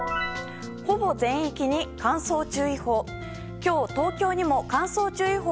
ほぼ全域に乾燥注意報。